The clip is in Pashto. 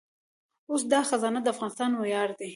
اوس دا خزانه د افغانستان ویاړ دی